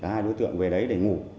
hai đối tượng về đấy để ngủ